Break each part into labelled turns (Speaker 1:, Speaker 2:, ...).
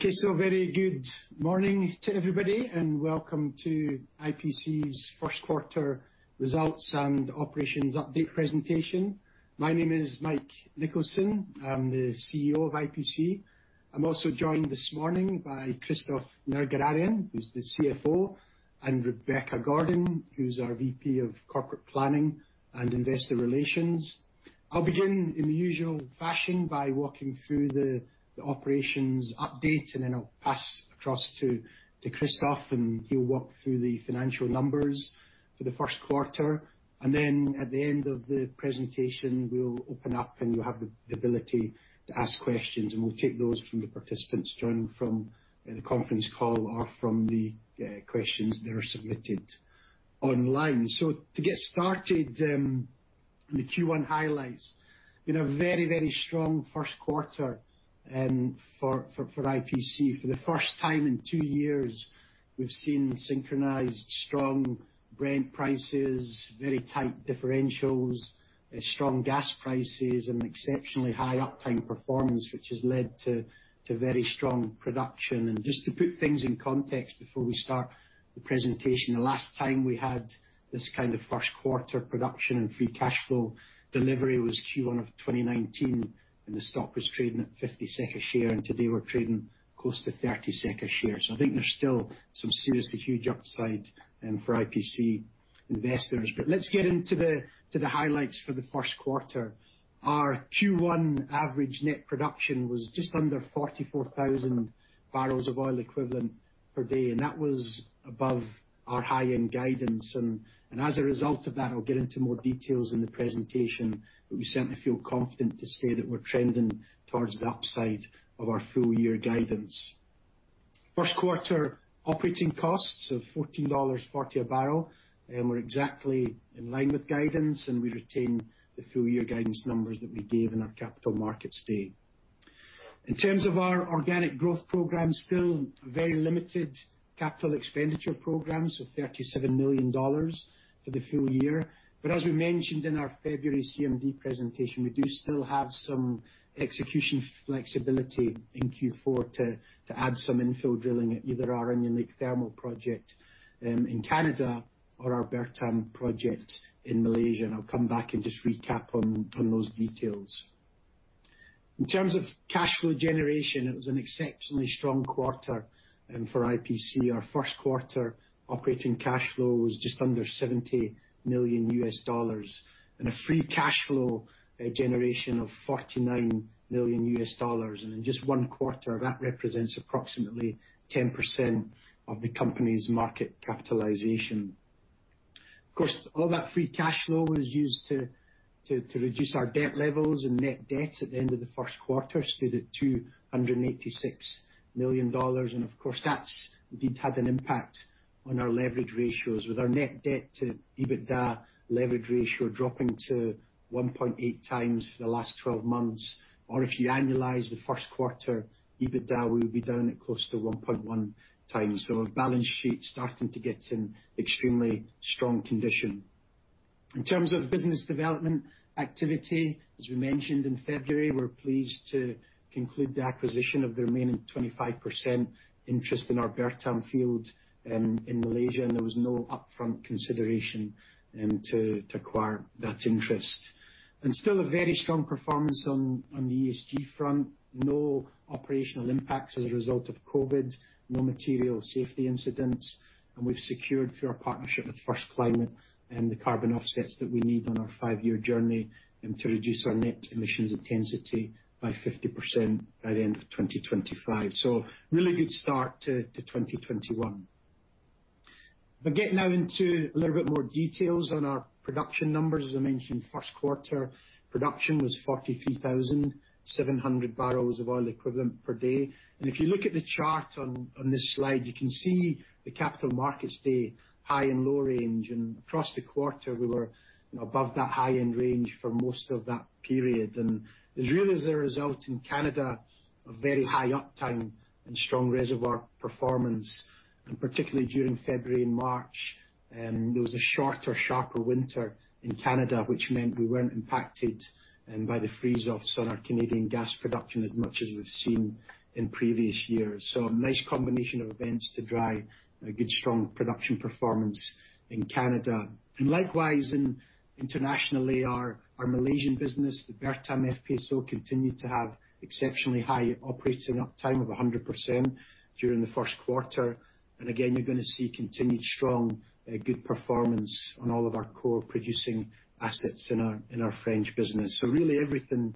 Speaker 1: Very good morning to everybody, and welcome to IPC's first quarter results and operations update presentation. My name is Mike Nicholson. I'm the CEO of IPC. I'm also joined this morning by Christophe Nerguararian, who's the CFO, and Rebecca Gordon, who's our VP of Corporate Planning and Investor Relations. I'll begin in the usual fashion by walking through the operations update, and then I'll pass across to Christophe, and he'll walk through the financial numbers for the first quarter. At the end of the presentation, we'll open up and you'll have the ability to ask questions, and we'll take those from the participants joining from the conference call or from the questions that are submitted online. To get started, the Q1 highlights. It's been a very strong first quarter for IPC. For the first time in two years, we've seen synchronized strong Brent prices, very tight differentials, strong gas prices, and exceptionally high uptime performance, which has led to very strong production. Just to put things in context before we start the presentation, the last time we had this kind of first-quarter production and free cash flow delivery was Q1 of 2019, and the stock was trading at 50 SEK a share, and today we're trading close to 30 SEK a share. I think there's still some seriously huge upside for IPC investors. Let's get into the highlights for the first quarter. Our Q1 average net production was just under 44,000 barrels of oil equivalent per day, and that was above our high-end guidance. As a result of that, I will get into more details in the presentation, but we certainly feel confident to say that we are trending towards the upside of our full-year guidance. First quarter operating costs of $14.40 a barrel were exactly in line with guidance, and we retain the full-year guidance numbers that we gave in our Capital Markets Day. In terms of our organic growth program, still very limited capital expenditure programs of $37 million for the full year. As we mentioned in our February CMD presentation, we do still have some execution flexibility in Q4 to add some infill drilling at either our Onion Lake Thermal project in Canada or our Bertam project in Malaysia. I will come back and just recap on those details. In terms of cash flow generation, it was an exceptionally strong quarter for IPC. Our first quarter operating cash flow was just under $70 million, and a free cash flow generation of $49 million. In just one quarter, that represents approximately 10% of the company's market capitalization. Of course, all that free cash flow was used to reduce our debt levels. Net debt at the end of the first quarter stood at $286 million. Of course, that's indeed had an impact on our leverage ratios with our net debt to EBITDA leverage ratio dropping to 1.8x for the last 12 months. If you annualize the first quarter EBITDA, we will be down at close to 1.1x. Our balance sheet's starting to get in extremely strong condition. In terms of business development activity, as we mentioned in February, we are pleased to conclude the acquisition of the remaining 25% interest in our Bertam field in Malaysia. There was no upfront consideration to acquire that interest. Still a very strong performance on the ESG front. No operational impacts as a result of COVID, no material safety incidents, and we have secured through our partnership with First Climate the carbon offsets that we need on our five-year journey, and to reduce our net emissions intensity by 50% by the end of 2025. Really good start to 2021. Getting now into a little bit more details on our production numbers. As I mentioned, first quarter production was 43,700 barrels of oil equivalent per day. If you look at the chart on this slide, you can see the Capital Markets Day high and low range. Across the quarter, we were above that high-end range for most of that period. As really as a result in Canada, a very high uptime and strong reservoir performance. Particularly during February and March, there was a shorter, sharper winter in Canada, which meant we weren't impacted by the freeze-offs on our Canadian gas production as much as we've seen in previous years. A nice combination of events to drive a good, strong production performance in Canada. Likewise, internationally, our Malaysian business, the Bertam FPSO, continued to have exceptionally high operating uptime of 100% during the first quarter. Again, you're going to see continued strong, good performance on all of our core producing assets in our French business. Really everything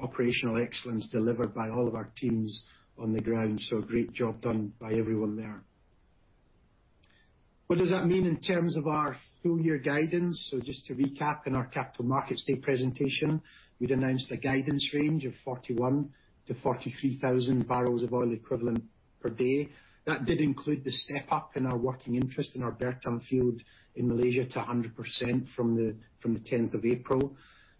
Speaker 1: operational excellence delivered by all of our teams on the ground. A great job done by everyone there. What does that mean in terms of our full-year guidance? Just to recap, in our Capital Markets Day presentation, we'd announced a guidance range of 41,000-43,000 barrels of oil equivalent per day. That did include the step-up in our working interest in our Bertam Field in Malaysia to 100% from the April 10th, 2021.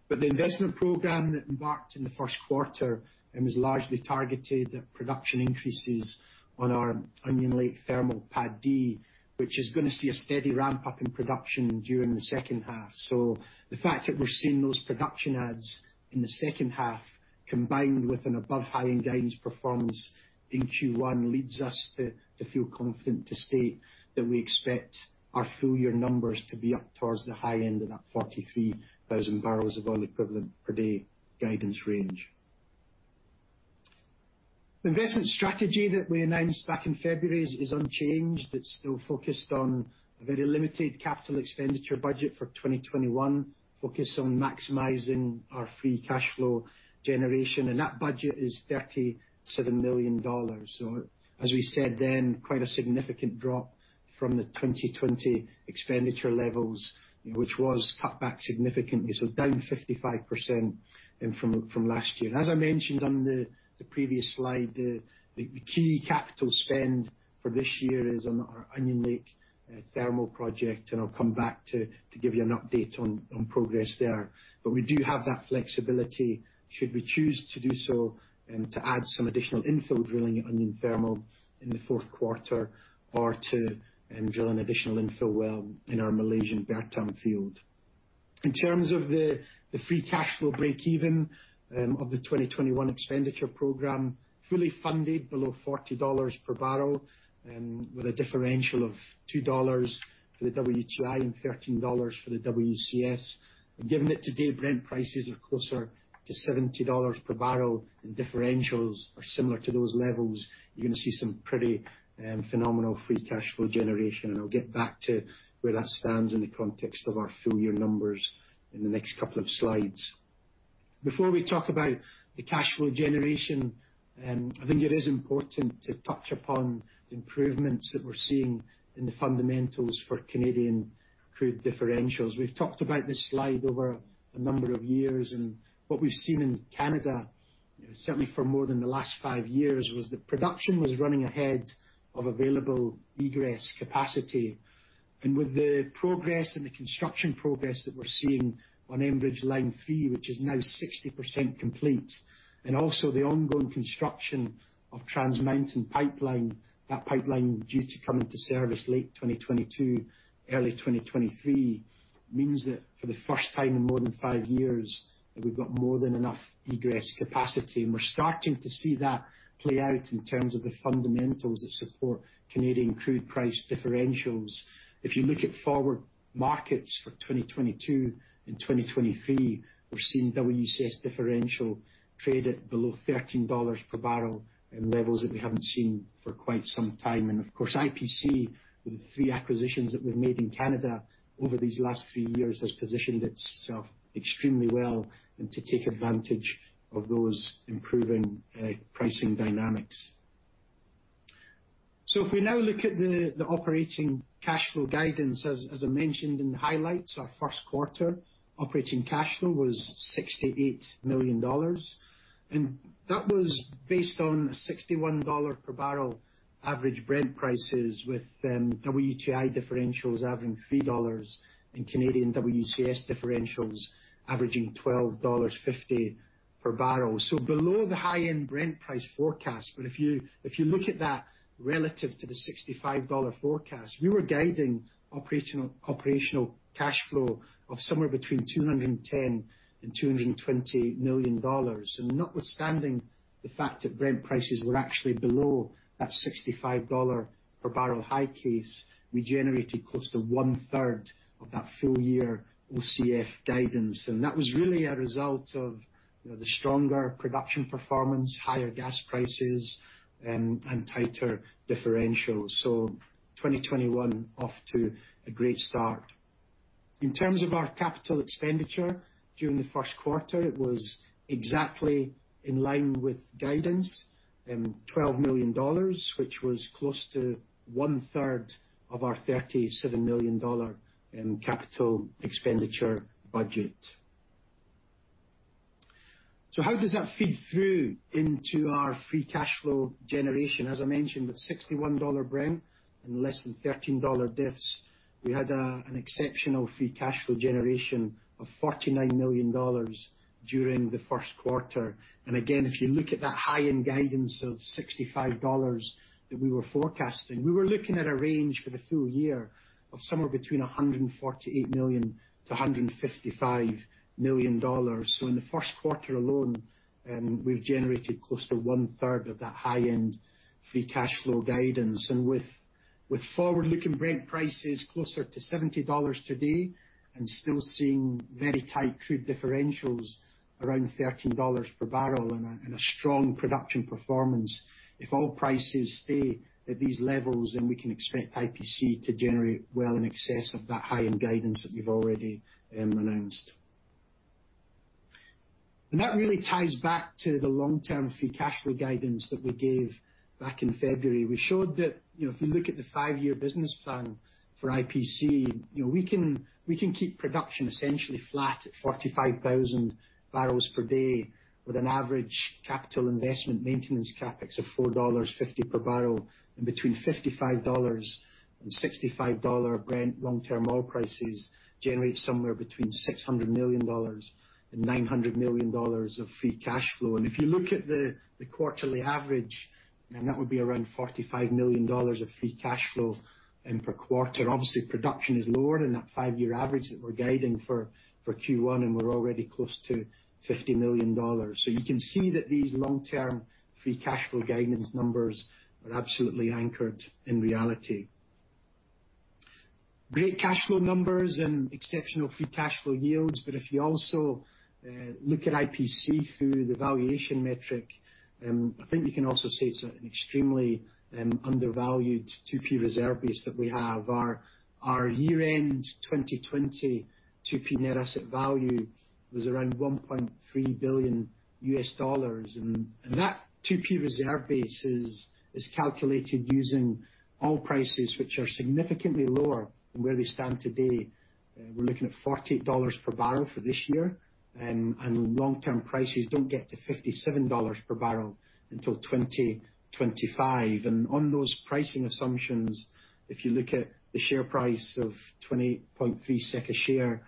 Speaker 1: The investment program that embarked in the first quarter and was largely targeted at production increases on our Onion Lake Thermal Pad D', which is going to see a steady ramp-up in production during the second half. The fact that we're seeing those production adds in the second half, combined with an above high-end guidance performance in Q1, leads us to feel confident to state that we expect our full year numbers to be up towards the high end of that 43,000 barrels of oil equivalent per day guidance range. The investment strategy that we announced back in February is unchanged. It's still focused on a very limited CapEx budget for 2021, focused on maximizing our free cash flow generation. That budget is $37 million. As we said then, quite a significant drop from the 2020 expenditure levels, which was cut back significantly, down 55% from last year. As I mentioned on the previous slide, the key capital spend for this year is on our Onion Lake Thermal project. I'll come back to give you an update on progress there. We do have that flexibility, should we choose to do so, to add some additional infill drilling at Onion Lake Thermal in the fourth quarter or to drill an additional infill well in our Malaysian Bertam field. In terms of the free cash flow breakeven of the 2021 expenditure program, fully funded below $40 per barrel with a differential of $2 for the WTI and $13 for the WCS. Given that today Brent prices are closer to $70 per barrel and differentials are similar to those levels, you're going to see some pretty phenomenal free cash flow generation, and I'll get back to where that stands in the context of our full-year numbers in the next couple of slides. Before we talk about the cash flow generation, I think it is important to touch upon the improvements that we're seeing in the fundamentals for Canadian crude differentials. We've talked about this slide over a number of years, and what we've seen in Canada, certainly for more than the last five years, was that production was running ahead of available egress capacity. With the progress and the construction progress that we're seeing on Enbridge Line 3, which is now 60% complete, also the ongoing construction of Trans Mountain pipeline, that pipeline due to come into service late 2022, early 2023, means that for the first time in more than five years, we've got more than enough egress capacity. We're starting to see that play out in terms of the fundamentals that support Canadian crude price differentials. If you look at forward markets for 2022 and 2023, we're seeing WCS differential trade at below $13 per barrel in levels that we haven't seen for quite some time. Of course, IPC, with the three acquisitions that we've made in Canada over these last three years, has positioned itself extremely well to take advantage of those improving pricing dynamics. If we now look at the operating cash flow guidance, as I mentioned in the highlights, our first quarter operating cash flow was $68 million. That was based on $61 per barrel average Brent prices with WTI differentials averaging $3 and Canadian WCS differentials averaging $12.50 per barrel. Below the high-end Brent price forecast. If you look at that relative to the $65 forecast, we were guiding operating cash flow of somewhere between $210 million-$220 million. Notwithstanding the fact that Brent prices were actually below that $65 per barrel high case, we generated close to 1/3 of that full-year OCF guidance. That was really a result of the stronger production performance, higher gas prices, and tighter differentials. 2021 off to a great start. In terms of our capital expenditure during the first quarter, it was exactly in line with guidance, $12 million, which was close to 1/3 of our $37 million in capital expenditure budget. How does that feed through into our free cash flow generation? As I mentioned, with $61 Brent and less than $13 diffs, we had an exceptional free cash flow generation of $49 million during the first quarter. Again, if you look at that high-end guidance of $65 that we were forecasting, we were looking at a range for the full year of somewhere between $148 million-$155 million. In the first quarter alone, we've generated close to 1/3 of that high-end free cash flow guidance. With forward-looking Brent prices closer to $70 today and still seeing very tight crude differentials around $13 per barrel and a strong production performance, if oil prices stay at these levels, then we can expect IPC to generate well in excess of that high-end guidance that we've already announced. That really ties back to the long-term free cash flow guidance that we gave back in February. We showed that if you look at the five-year business plan for IPC, we can keep production essentially flat at 45,000 barrels per day with an average capital investment maintenance CapEx of $4.50 per barrel. Between $55-$65 Brent long-term oil prices generates somewhere between $600 million-$900 million of free cash flow. If you look at the quarterly average, that would be around $45 million of free cash flow per quarter. Production is lower than that five-year average that we're guiding for Q1, and we're already close to $50 million. You can see that these long-term free cash flow guidance numbers are absolutely anchored in reality. Great cash flow numbers and exceptional free cash flow yields. If you also look at IPC through the valuation metric, I think you can also say it's an extremely undervalued 2P reserve base that we have. Our year-end 2020 2P net asset value was around $1.3 billion. That 2P reserve base is calculated using oil prices which are significantly lower than where we stand today. We're looking at $48 per barrel for this year, long-term prices don't get to $57 per barrel until 2025. On those pricing assumptions, if you look at the share price of 20.3 SEK a share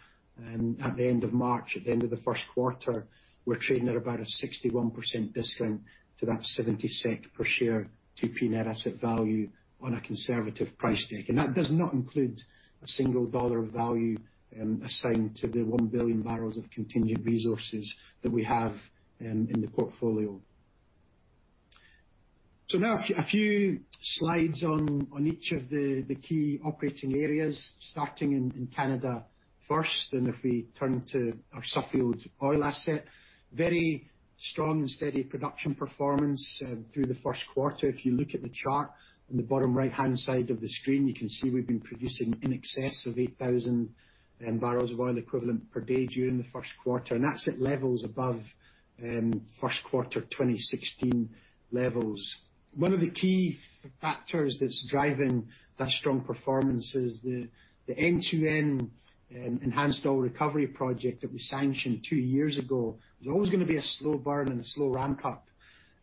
Speaker 1: at the end of March, at the end of the first quarter, we're trading at about a 61% discount to that 70 SEK per share 2P net asset value on a conservative price take. That does not include a single dollar of value assigned to the 1 billion barrels of contingent resources that we have in the portfolio. Now a few slides on each of the key operating areas, starting in Canada first. If we turn to our Suffield oil asset. Very strong and steady production performance through the first quarter. If you look at the chart on the bottom right-hand side of the screen, you can see we've been producing in excess of 8,000 barrels of oil equivalent per day during the first quarter. That's at levels above first quarter 2016 levels. One of the key factors that's driving that strong performance is the N2N enhanced oil recovery project that we sanctioned two years ago. It was always going to be a slow burn and a slow ramp-up.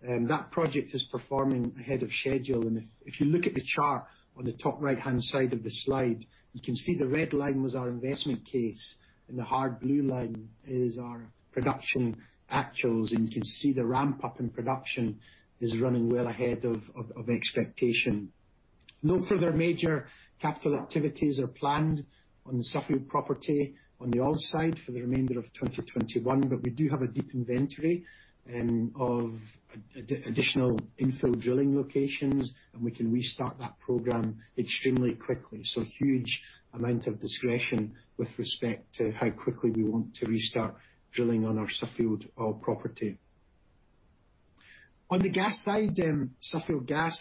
Speaker 1: That project is performing ahead of schedule. If you look at the chart on the top right-hand side of the slide, you can see the red line was our investment case, and the hard blue line is our production actuals. You can see the ramp-up in production is running well ahead of expectation. No further major capital activities are planned on the Suffield property on the oil side for the remainder of 2021. We do have a deep inventory of additional infill drilling locations, and we can restart that program extremely quickly. Huge amount of discretion with respect to how quickly we want to restart drilling on our Suffield oil property. On the gas side, Suffield Gas,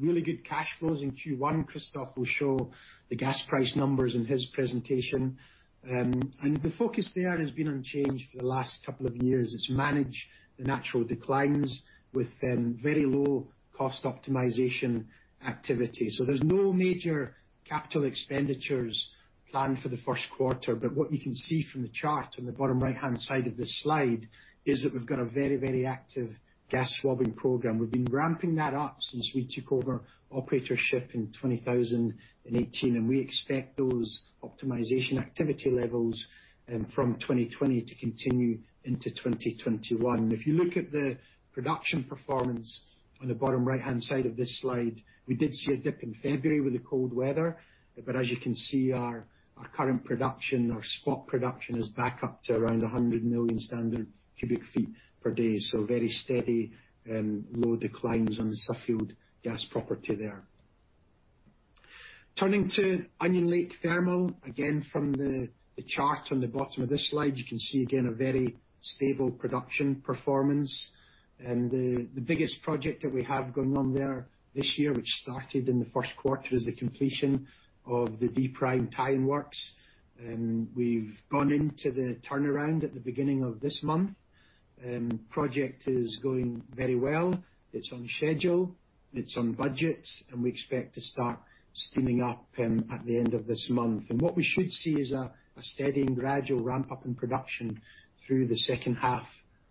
Speaker 1: really good cash flows in Q1. Christophe will show the gas price numbers in his presentation. The focus there has been unchanged for the last couple of years. It's manage the natural declines with very low cost optimization activity. There's no major capital expenditures planned for the first quarter. What you can see from the chart on the bottom right-hand side of this slide is that we've got a very active gas swabbing program. We've been ramping that up since we took over operatorship in 2018, and we expect those optimization activity levels from 2020 to continue into 2021. If you look at the production performance on the bottom right-hand side of this slide, we did see a dip in February with the cold weather. As you can see, our current production, our spot production, is back up to around 100 million standard cubic feet per day. Very steady low declines on the Suffield gas property there. Turning to Onion Lake Thermal, again, from the chart on the bottom of this slide, you can see again a very stable production performance. The biggest project that we have going on there this year, which started in the first quarter, is the completion of the Pad D' tie-in works. We've gone into the turnaround at the beginning of this month. Project is going very well. It's on schedule, it's on budget, and we expect to start steaming up at the end of this month. What we should see is a steady and gradual ramp-up in production through the second half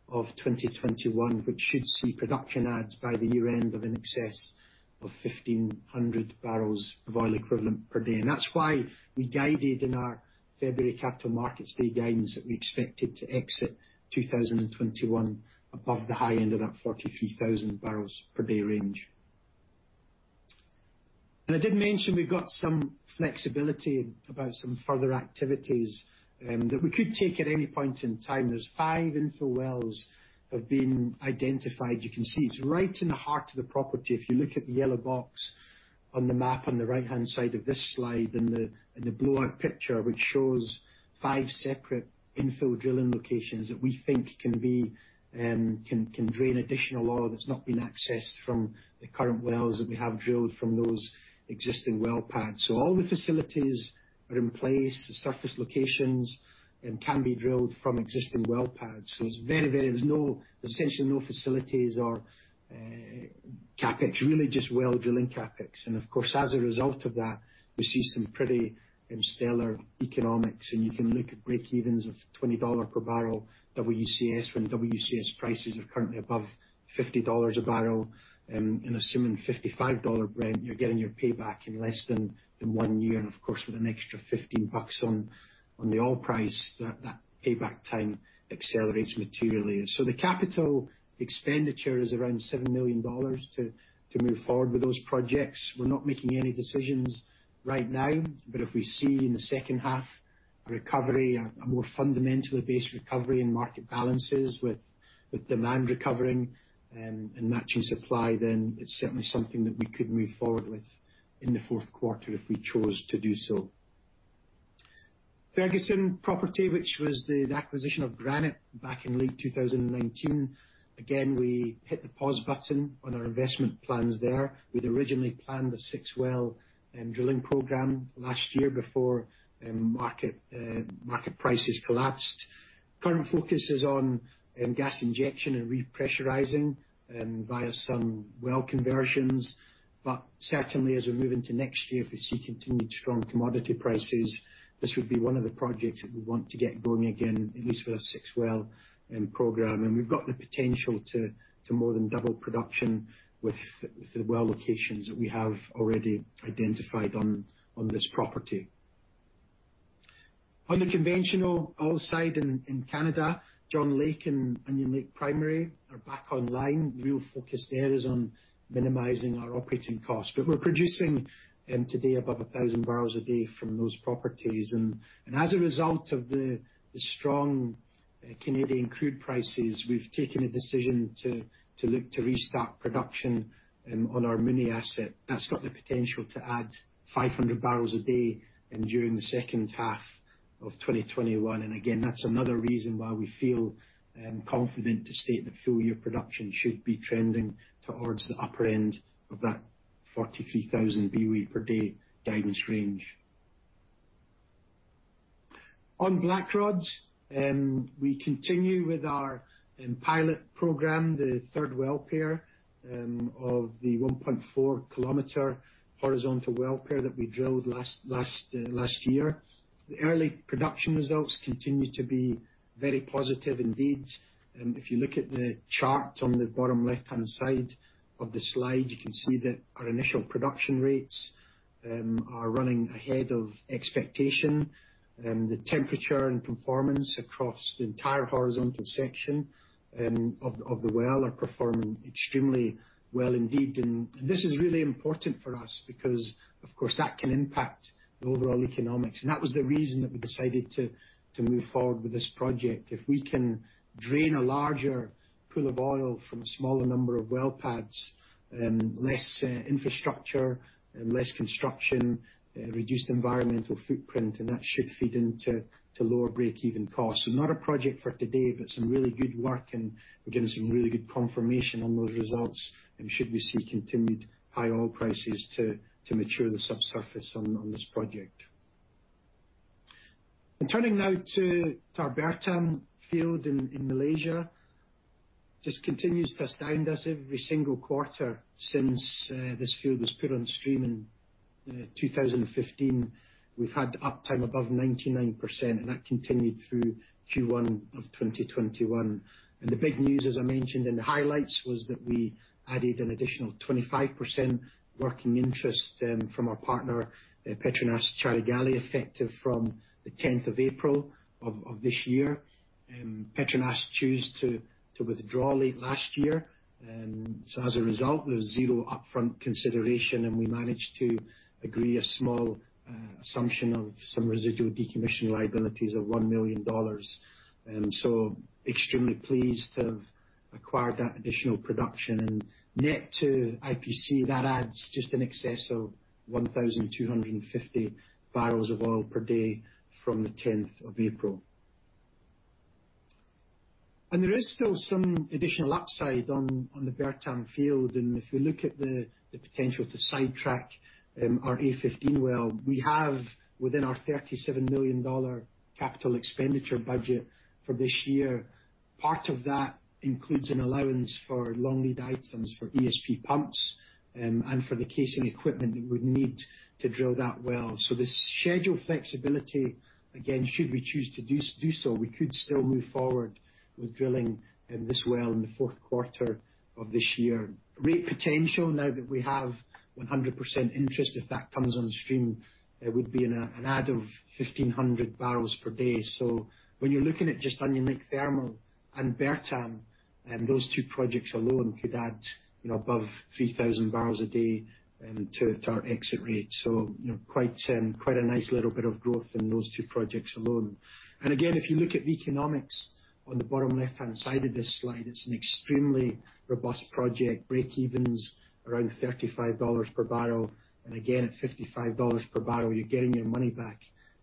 Speaker 1: of 2021, which should see production adds by the year end of in excess of 1,500 barrels of oil equivalent per day. That's why we guided in our February Capital Markets Day guidance that we expected to exit 2021 above the high end of that 43,000 barrels per day range. I did mention we've got some flexibility about some further activities that we could take at any point in time. There's five infill wells have been identified. You can see it's right in the heart of the property. If you look at the yellow box on the map on the right-hand side of this slide and the blow-up picture, which shows five separate infill drilling locations that we think can drain additional oil that's not been accessed from the current wells that we have drilled from those existing well pads. All the facilities are in place. The surface locations can be drilled from existing well pads. There's essentially no facilities or CapEx. Really just well drilling CapEx. Of course, as a result of that, we see some pretty stellar economics. You can look at breakevens of $20 per barrel WCS when WCS prices are currently above $50 a barrel. Assuming $55 Brent, you're getting your payback in less than one year. Of course, with an extra $15 on the oil price, that payback time accelerates materially. The capital expenditure is around $7 million to move forward with those projects. We're not making any decisions right now. If we see in the second half recovery, a more fundamentally based recovery in market balances with demand recovering and matching supply, then it's certainly something that we could move forward with in the fourth quarter if we chose to do so. Ferguson property, which was the acquisition of Granite back in late 2019. Again, we hit the pause button on our investment plans there. We'd originally planned a six-well drilling program last year before market prices collapsed. Current focus is on gas injection and repressurizing via some well conversions. Certainly, as we move into next year, if we see continued strong commodity prices, this would be one of the projects that we want to get going again, at least with a six-well program. We've got the potential to more than double production with the well locations that we have already identified on this property. On the conventional oil side in Canada, John Lake and Onion Lake Primary are back online. Real focus there is on minimizing our operating costs. We're producing today above 1,000 barrels a day from those properties. As a result of the strong Canadian crude prices, we've taken a decision to look to restart production on our mini asset. That's got the potential to add 500 barrels a day during the second half of 2021. Again, that's another reason why we feel confident to state that full year production should be trending towards the upper end of that 43,000 BOE per day guidance range. On Blackrod, we continue with our pilot program, the third well pair of the 1.4km horizontal well pair that we drilled last year. The early production results continue to be very positive indeed. If you look at the chart on the bottom left-hand side of the slide, you can see that our initial production rates are running ahead of expectation. The temperature and performance across the entire horizontal section of the well are performing extremely well indeed. This is really important for us because, of course, that can impact the overall economics. That was the reason that we decided to move forward with this project. If we can drain a larger pool of oil from a smaller number of well pads, less infrastructure, less construction, reduced environmental footprint, and that should feed into lower break-even costs. Not a project for today, but some really good work, and we're getting some really good confirmation on those results and should we see continued high oil prices to mature the subsurface on this project. Turning now to our Bertam field in Malaysia. Just continues to astound us every single quarter since this field was put on stream in 2015. We've had uptime above 99%, and that continued through Q1 of 2021. The big news, as I mentioned in the highlights, was that we added an additional 25% working interest from our partner, PETRONAS Carigali, effective from the April 10th, 2021 of this year. PETRONAS chose to withdraw late last year. As a result, there was zero upfront consideration, and we managed to agree a small assumption of some residual decommissioning liabilities of $1 million. Extremely pleased to have acquired that additional production. Net to IPC, that adds just in excess of 1,250 barrels of oil per day from the April 10th, 2021. There is still some additional upside on the Bertam field. If we look at the potential to sidetrack our A15 well, we have within our $37 million capital expenditure budget for this year, part of that includes an allowance for long lead items for ESP pumps and for the casing equipment that we'd need to drill that well. There's schedule flexibility. Again, should we choose to do so, we could still move forward with drilling this well in the fourth quarter of this year. Rate potential now that we have 100% interest, if that comes on stream, it would be an add of 1,500 barrels per day. When you're looking at just Onion Lake Thermal and Bertam, those two projects alone could add above 3,000 barrels a day to our exit rate. Quite a nice little bit of growth in those two projects alone. Again, if you look at the economics on the bottom left-hand side of this slide, it's an extremely robust project. Breakeven's around $35 per barrel. Again, at $55 per barrel, you're getting your money back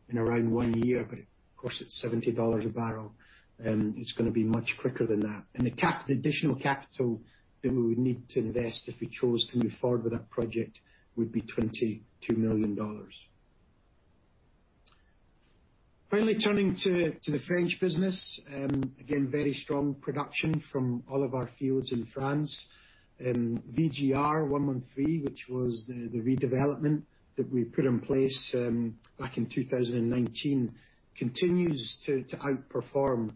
Speaker 1: in around one year. Of course, at $70 a barrel, it's going to be much quicker than that. The additional capital that we would need to invest if we chose to move forward with that project would be $22 million. Finally, turning to the French business. Again, very strong production from all of our fields in France. VGR-113, which was the redevelopment that we put in place back in 2019, continues to outperform.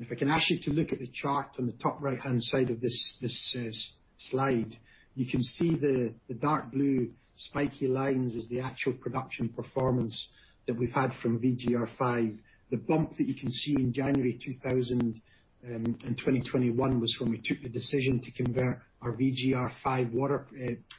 Speaker 1: If I can ask you to look at the chart on the top right-hand side of this slide, you can see the dark blue spiky lines is the actual production performance that we've had from VGR-5. The bump that you can see in January 2021 was when we took the decision to convert our VGR-5 water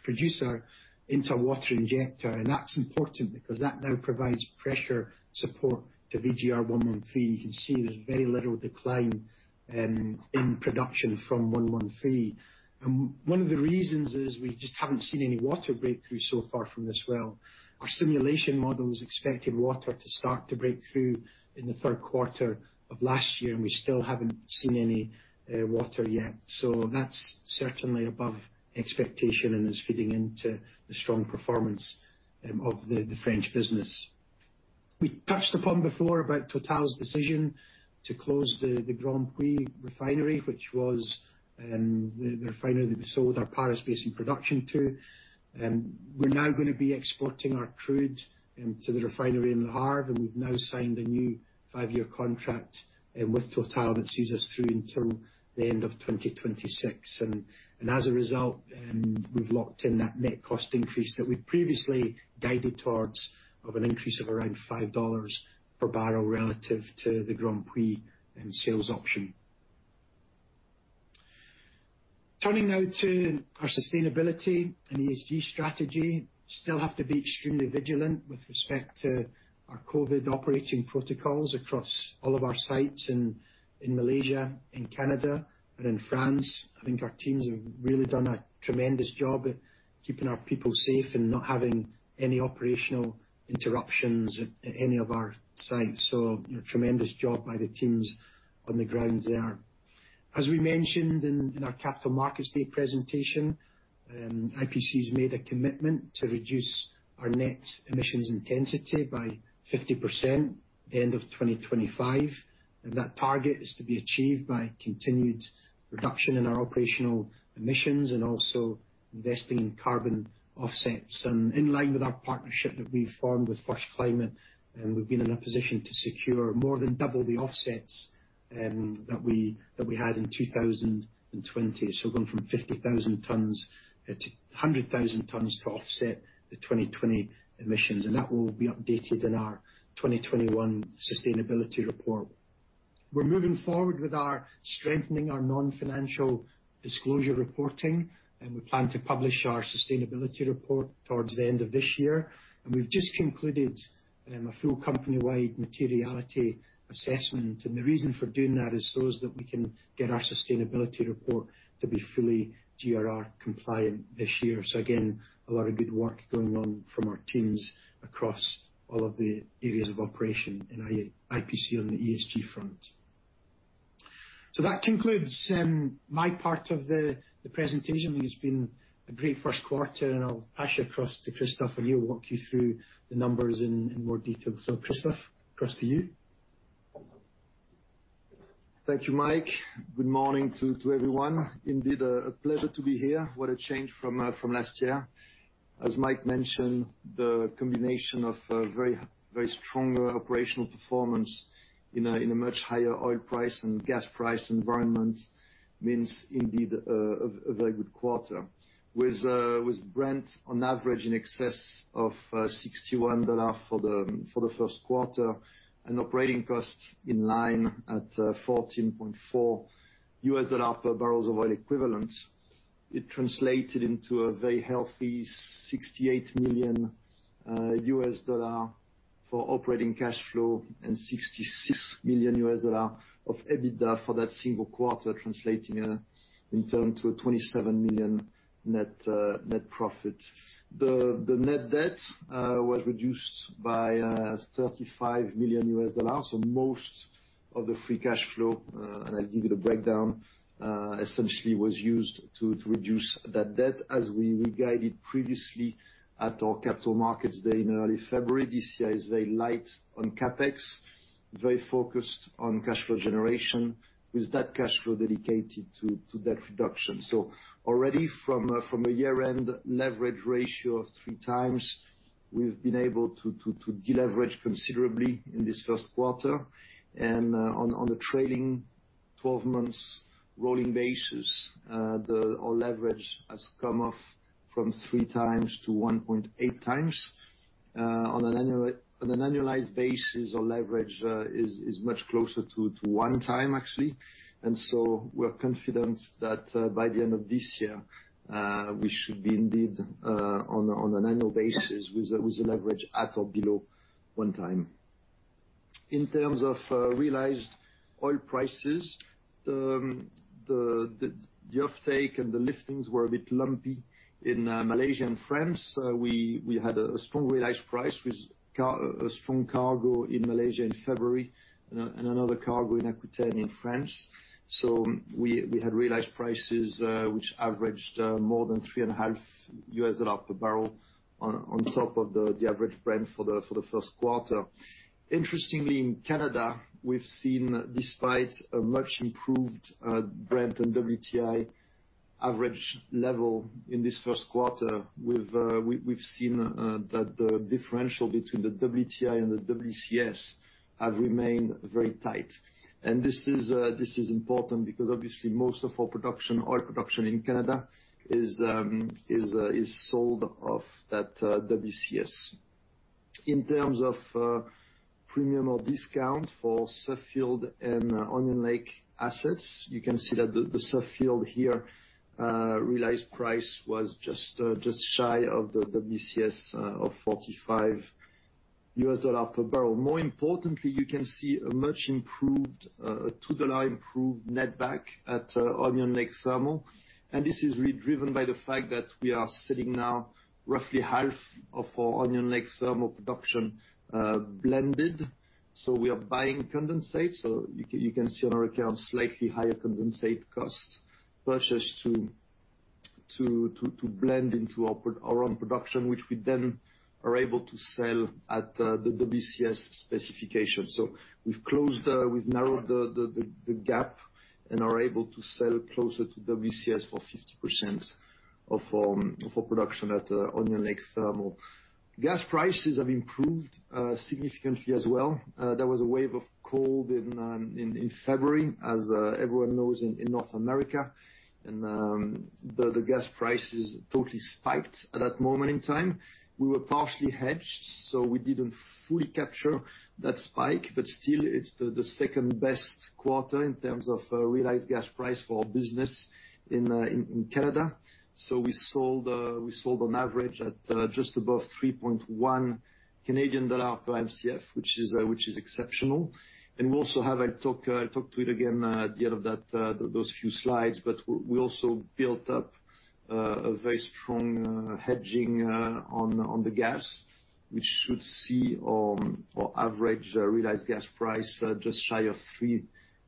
Speaker 1: producer into a water injector. That's important because that now provides pressure support to VGR-113. You can see there's very little decline in production from 113. One of the reasons is we just haven't seen any water breakthrough so far from this well. Our simulation model was expecting water to start to break through in the third quarter of last year, and we still haven't seen any water yet. That's certainly above expectation and is feeding into the strong performance of the French business. We touched upon before about Total's decision to close the Grandpuits refinery, which was the refinery that we sold our Paris Basin production to. We're now going to be exporting our crude into the refinery in Le Havre, and we've now signed a new five-year contract with Total that sees us through until the end of 2026. As a result, we've locked in that net cost increase that we'd previously guided towards, of an increase of around $5 per barrel relative to the Grandpuits sales option. Turning now to our sustainability and ESG strategy. Still have to be extremely vigilant with respect to our COVID operating protocols across all of our sites in Malaysia, in Canada, and in France. I think our teams have really done a tremendous job at keeping our people safe and not having any operational interruptions at any of our sites. Tremendous job by the teams on the ground there. As we mentioned in our Capital Markets Day presentation, IPC has made a commitment to reduce our net emissions intensity by 50% at the end of 2025. That target is to be achieved by continued reduction in our operational emissions and also investing in carbon offsets. In line with our partnership that we formed with First Climate, we've been in a position to secure more than double the offsets that we had in 2020. Going from 50,000 tons to 100,000 tons to offset the 2020 emissions. That will be updated in our 2021 sustainability report. We're moving forward with strengthening our non-financial disclosure reporting. We plan to publish our sustainability report towards the end of this year. We've just concluded a full company-wide materiality assessment. The reason for doing that is so that we can get our sustainability report to be fully GRI compliant this year. Again, a lot of good work going on from our teams across all of the areas of operation in IPC on the ESG front. That concludes my part of the presentation. It's been a great first quarter, and I'll pass you across to Christophe, and he'll walk you through the numbers in more detail. Christophe, across to you.
Speaker 2: Thank you Mike. Good morning to everyone. Indeed, a pleasure to be here. What a change from last year. As Mike mentioned, the combination of a very strong operational performance in a much higher oil price and gas price environment means indeed a very good quarter. With Brent on average in excess of $61 for the first quarter and operating costs in line at $14.4 per barrels of oil equivalent, it translated into a very healthy $68 million for operating cash flow and $66 million of EBITDA for that single quarter, translating in turn to a $27 million net profit. The net debt was reduced by $35 million. Most of the free cash flow, and I'll give you the breakdown, essentially was used to reduce that debt. As we guided previously at our Capital Markets Day in early February, this year is very light on CapEx, very focused on cash flow generation, with that cash flow dedicated to debt reduction. Already from a year-end leverage ratio of 3x, we've been able to deleverage considerably in this first quarter. On the trailing 12 months rolling basis, our leverage has come off from 3x-1.8x. On an annualized basis, our leverage is much closer to 1x, actually. We're confident that by the end of this year, we should be indeed, on an annual basis, with the leverage at or below 1x. In terms of realized oil prices, the offtake and the liftings were a bit lumpy in Malaysia and France. We had a strong realized price with a strong cargo in Malaysia in February and another cargo in Aquitaine in France. We had realized prices, which averaged more than $3.5 per barrel on top of the average Brent for the first quarter. Interestingly, in Canada, we've seen despite a much improved Brent and WTI average level in this first quarter, we've seen that the differential between the WTI and the WCS have remained very tight. This is important because obviously, most of our oil production in Canada is sold off that WCS. In terms of premium or discount for Suffield and Onion Lake assets, you can see that the Suffield here realized price was just shy of the WCS of $45 per barrel. More importantly, you can see a much improved, $2 improved netback at Onion Lake Thermal. This is really driven by the fact that we are sitting now roughly half of our Onion Lake Thermal production blended. We are buying condensate. You can see on our accounts slightly higher condensate cost purchased to blend into our own production, which we then are able to sell at the WCS specification. We've narrowed the gap and are able to sell closer to WCS for 50% of our production at Onion Lake Thermal. Gas prices have improved significantly as well. There was a wave of cold in February, as everyone knows, in North America. The gas prices totally spiked at that moment in time. We were partially hedged, so we didn't fully capture that spike. Still, it's the second-best quarter in terms of realized gas price for our business in Canada. We sold on average at just above C$3.1 per Mcf, which is exceptional. We also have, I talk to it again at the end of those few slides, but we also built up a very strong hedging on the gas, which should see our average realized gas price just shy of C$3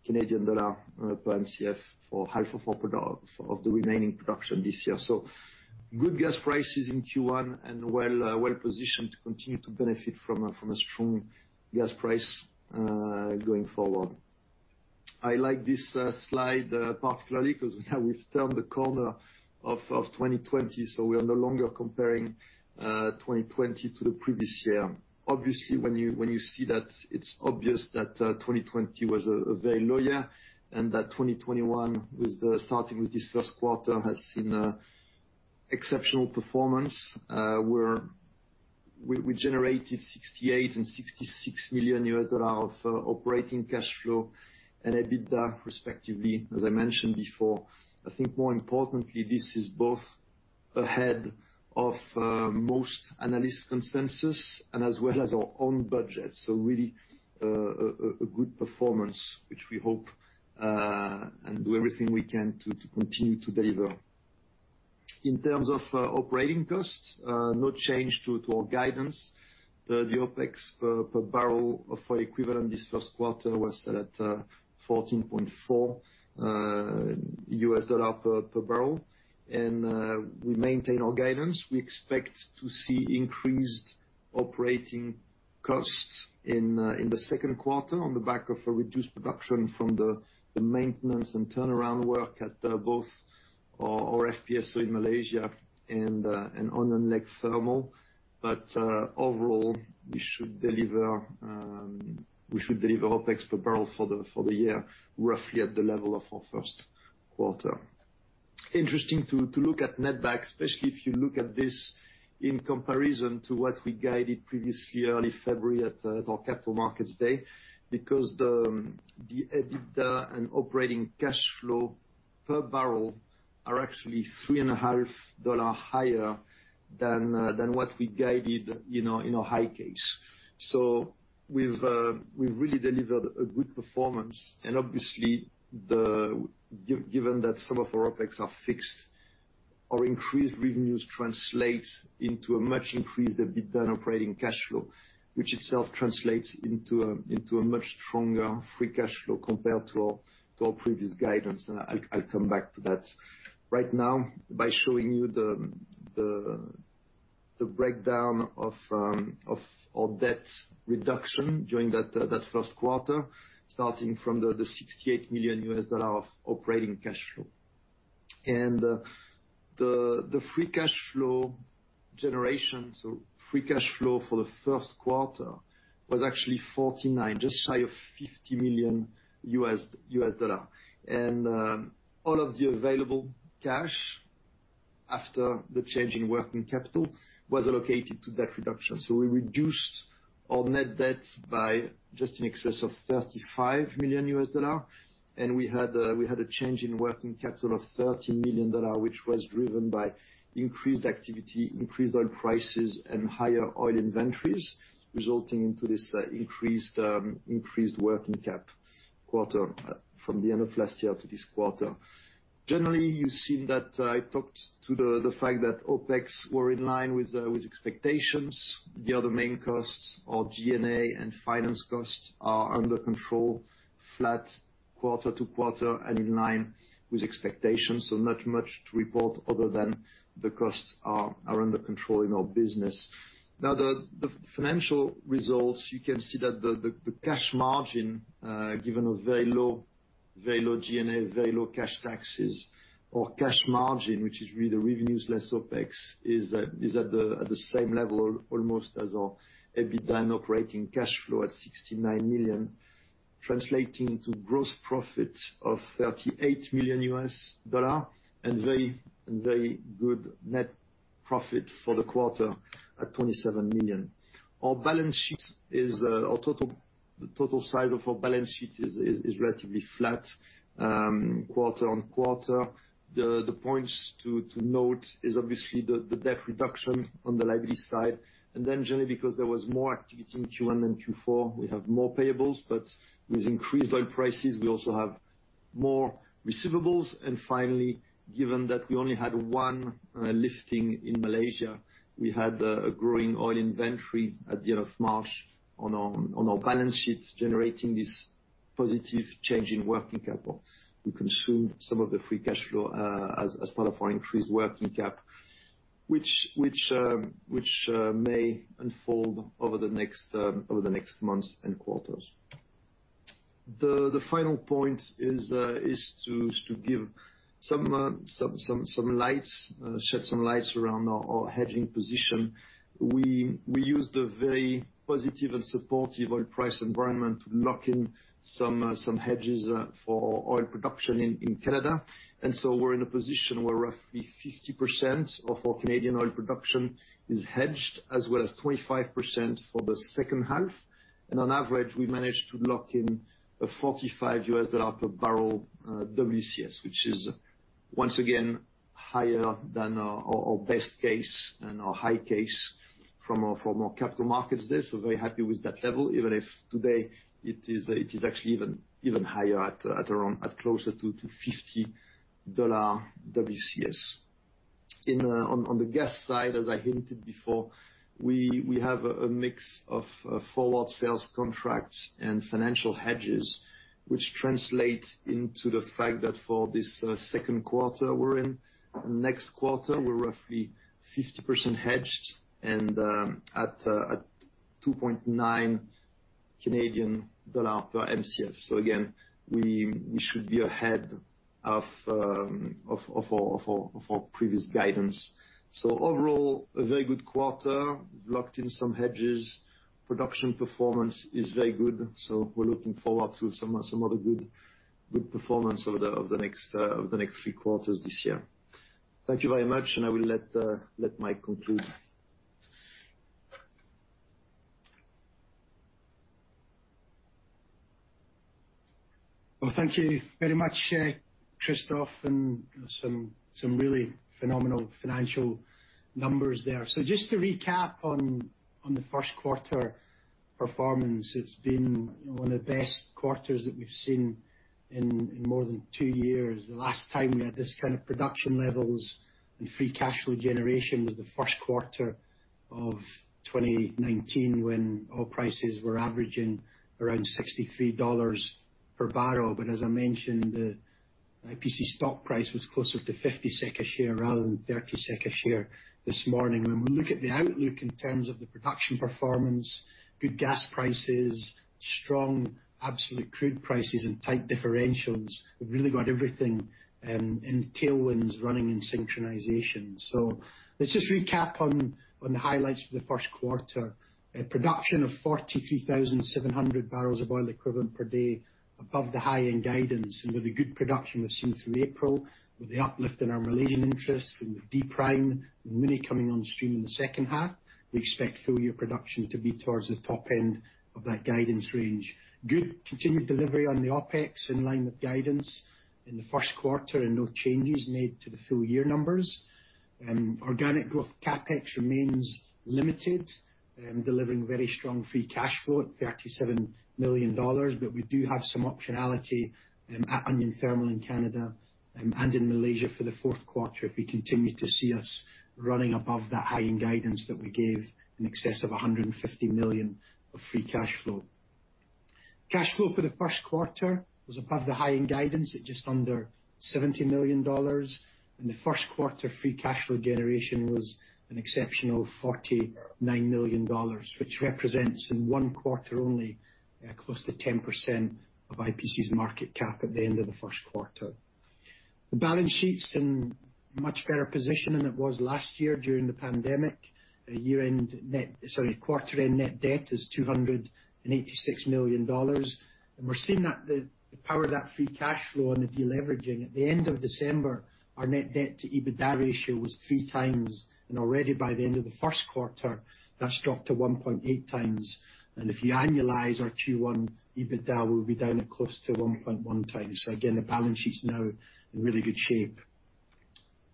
Speaker 2: per Mcf for half of the remaining production this year. Good gas prices in Q1 and well positioned to continue to benefit from a strong gas price going forward. I like this slide particularly because we've turned the corner of 2020, so we are no longer comparing 2020 to the previous year. Obviously, when you see that, it's obvious that 2020 was a very low year and that 2021, starting with this first quarter, has seen exceptional performance where we generated $68 million and $66 million. dollars of operating cash flow and EBITDA, respectively, as I mentioned before. I think more importantly, this is both ahead of most analyst consensus and as well as our own budget. Really, a good performance, which we hope and do everything we can to continue to deliver. In terms of operating costs, no change to our guidance. The OpEx per barrel of oil equivalent this first quarter was at $14.4 per barrel. We maintain our guidance. We expect to see increased operating costs in the second quarter on the back of a reduced production from the maintenance and turnaround work at both our FPSO in Malaysia and Onion Lake thermal. Overall, we should deliver OpEx per barrel for the year, roughly at the level of our first quarter. Interesting to look at netback, especially if you look at this in comparison to what we guided previously early February at our Capital Markets Day, because the EBITDA and operating cash flow per barrel are actually $3.5 higher than what we guided in our high case. We've really delivered a good performance. Obviously, given that some of our OpEx are fixed, our increased revenues translate into a much increased EBITDA and operating cash flow. Which itself translates into a much stronger free cash flow compared to our previous guidance. I'll come back to that right now by showing you the breakdown of debt reduction during that first quarter, starting from the $68 million of operating cash flow. The free cash flow generation, so free cash flow for the first quarter, was actually 49, just shy of $50 million. All of the available cash after the change in working capital was allocated to debt reduction. We reduced our net debt by just in excess of $35 million. We had a change in working capital of $30 million, which was driven by increased activity, increased oil prices, and higher oil inventories, resulting into this increased working cap quarter from the end of last year to this quarter. Generally, you've seen that I talked to the fact that OpEx were in line with expectations. The other main costs, our G&A and finance costs, are under control, flat quarter-over-quarter and in line with expectations. Not much to report other than the costs are under control in our business. Now, the financial results, you can see that the cash margin, given a very low G&A, very low cash taxes. Our cash margin, which is really revenues less OpEx, is at the same level almost as our EBITDA and operating cash flow at $69 million, translating to gross profit of $38 million and very good net profit for the quarter at $27 million. Our balance sheet, the total size of our balance sheet is relatively flat quarter-on-quarter. The points to note is obviously the debt reduction on the liability side. Generally because there was more activity in Q1 than Q4, we have more payables, but with increased oil prices, we also have more receivables. Finally, given that we only had one lifting in Malaysia, we had a growing oil inventory at the end of March on our balance sheets, generating this positive change in working capital. We consumed some of the free cash flow as part of our increased working cap, which may unfold over the next months and quarters. The final point is to shed some light around our hedging position. We're in a position where roughly 50% of our Canadian oil production is hedged, as well as 25% for the second half. On average, we managed to lock in a $45 per barrel WCS, which is once again higher than our best case and our high case from our Capital Markets Day. They're very happy with that level, even if today it is actually even higher at closer to $50 WCS. On the gas side, as I hinted before, we have a mix of forward sales contracts and financial hedges, which translate into the fact that for this second quarter we're in, next quarter, we're roughly 50% hedged and at 2.9 Canadian dollar per Mcf. Again, we should be ahead of our previous guidance. Overall, a very good quarter. We've locked in some hedges. Production performance is very good. We're looking forward to some other good performance over the next three quarters this year. Thank you very much, and I will let Mike conclude.
Speaker 1: Thank you very much, Christophe, some really phenomenal financial numbers there. Just to recap on the first quarter performance. It's been one of the best quarters that we've seen in more than two years. The last time we had this kind of production levels and free cash flow generation was the first quarter of 2019, when oil prices were averaging around $63 per barrel. As I mentioned, the IPC stock price was closer to 30 SEK a share this morning. When we look at the outlook in terms of the production performance, good gas prices, strong absolute crude prices and tight differentials, we've really got everything in tailwinds running in synchronization. Let's just recap on the highlights for the first quarter. A production of 43,700 barrels of oil equivalent per day above the high-end guidance. With the good production we've seen through April, with the uplift in our Malaysian interest and with D Prime and Mini coming on stream in the second half, we expect full year production to be towards the top end of that guidance range. Good continued delivery on the OpEx in line with guidance in the first quarter and no changes made to the full year numbers. Organic growth CapEx remains limited, delivering very strong free cash flow at $37 million. We do have some optionality at Onion Lake Thermal in Canada and in Malaysia for the fourth quarter, if we continue to see us running above that high-end guidance that we gave in excess of $150 million of free cash flow. Cash flow for the first quarter was above the high-end guidance at just under $70 million. The first quarter free cash flow generation was an exceptional $49 million, which represents in one quarter only close to 10% of IPC's market cap at the end of the first quarter. The balance sheet's in much better position than it was last year during the pandemic. Quarter end net debt is $286 million. We're seeing the power of that free cash flow on the deleveraging. At the end of December, our net debt to EBITDA ratio was 3x, and already by the end of the first quarter, that's dropped to 1.8x. If you annualize our Q1 EBITDA, we'll be down at close to 1.1x. Again, the balance sheet's now in really good shape.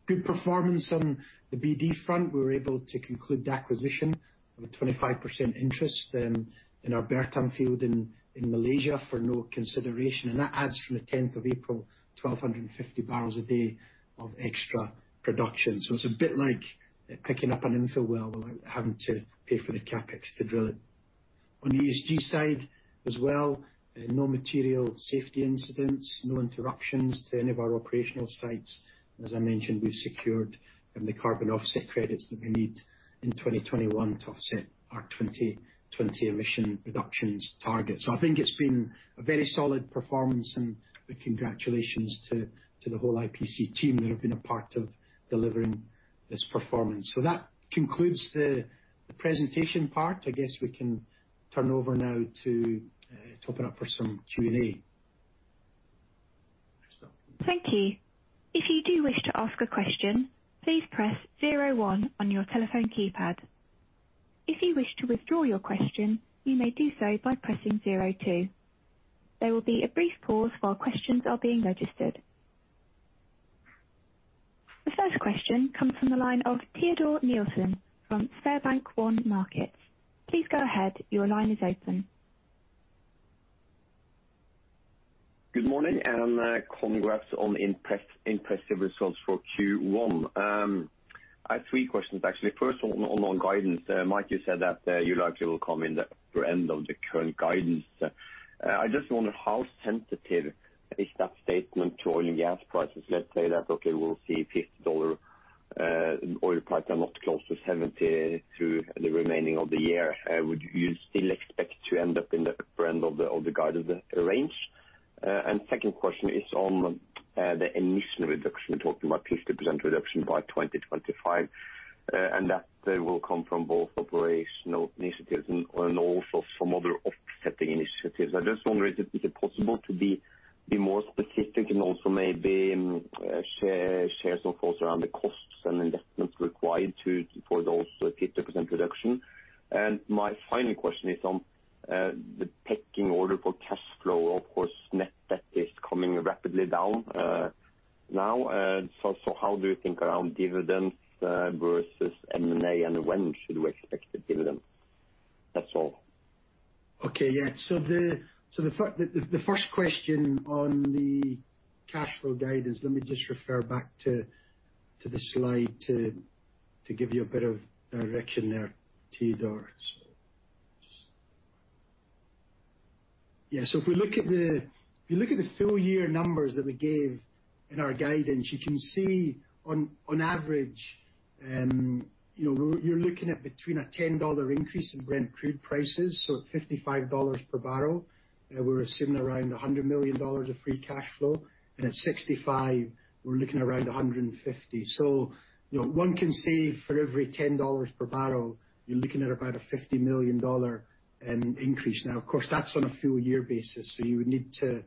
Speaker 1: Good performance on the BD front. We were able to conclude the acquisition of a 25% interest in our Bertam field in Malaysia for no consideration. That adds from the April 10th, 2021, 1,250 barrels a day of extra production. It's a bit like picking up an infill well without having to pay for the CapEx to drill it. On the ESG side as well, no material safety incidents, no interruptions to any of our operational sites. As I mentioned, we've secured the carbon offset credits that we need in 2021 to offset our 2020 emission reductions target. I think it's been a very solid performance, and congratulations to the whole IPC team that have been a part of delivering this performance. That concludes the presentation part. I guess we can turn over now to open up for some Q&A. Christophe.
Speaker 3: Thank you. If you do wish to ask a question, please press zero one on your telephone keypad. If you wish to withdraw your question, you may do so by pressing zero two. There will be a brief pause while questions are being registered. The first question comes from the line of Teodor Nilsen from SpareBank 1 Markets. Please go ahead. Your line is open.
Speaker 4: Good morning, congrats on the impressive results for Q1. I have three questions, actually. First, on guidance. Mike, you said that you likely will come in the upper end of the current guidance. I just wonder how sensitive is that statement to oil and gas prices? Let's say that, okay, we'll see $50 oil price and not close to $70 through the remaining of the year. Would you still expect to end up in the upper end of the guided range? Second question is on the emission reduction. You're talking about 50% reduction by 2025, and that will come from both operational initiatives and also some other offsetting initiatives. I just wonder, is it possible to be more specific and also maybe share some thoughts around the costs and investments required for those 50% reduction? My final question is on the pecking order for cash flow. Of course, net debt is coming rapidly down now. How do you think around dividends versus M&A, and when should we expect the dividend? That's all.
Speaker 1: Okay, yeah. The first question on the cash flow guidance, let me just refer back to the slide to give you a bit of direction there, Teodor. If we look at the full year numbers that we gave in our guidance, you can see on average, you're looking at between a $10 increase in Brent crude prices, at $55 per barrel, we're assuming around $100 million of free cash flow. At $65, we're looking around $150. One can see for every $10 per barrel, you're looking at about a $50 million increase. Of course, that's on a full year basis, you would need to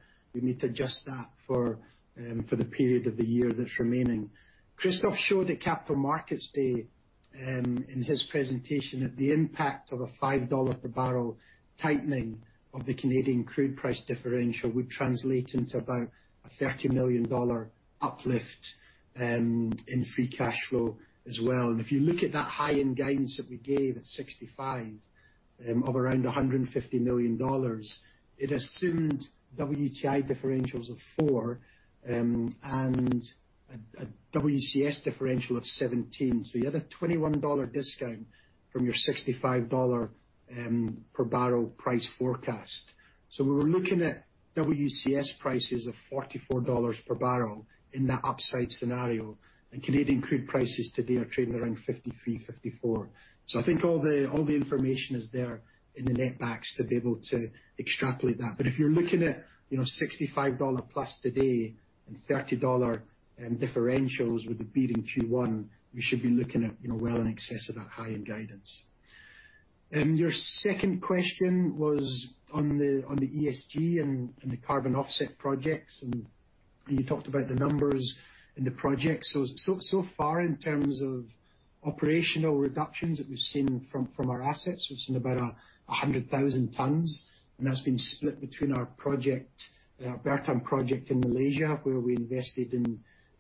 Speaker 1: adjust that for the period of the year that's remaining. Christophe showed at Capital Markets Day in his presentation that the impact of a $5 per barrel tightening of the Canadian crude price differential would translate into about a $30 million uplift in free cash flow as well. If you look at that high-end guidance that we gave at $65 of around $150 million, it assumed WTI differentials of four and a WCS differential of 17. You had a $21 discount from your $65 per barrel price forecast. We were looking at WCS prices of $44 per barrel in that upside scenario, and Canadian crude prices today are trading around $53-$54. I think all the information is there in the net backs to be able to extrapolate that. If you're looking at $65 plus today and $30 differentials with the beat in Q1, we should be looking at well in excess of that high-end guidance. Your second question was on the ESG and the carbon offset projects. You talked about the numbers in the projects. Far in terms of operational reductions that we've seen from our assets, we've seen about 100,000 tons. That's been split between our project, our Bertam project in Malaysia, where we invested